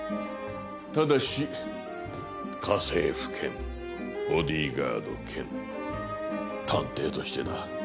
ただし家政婦兼ボディーガード兼探偵としてだ。